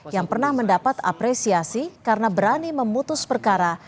yang pernah mendapat apresiasi karena berani memutus perkara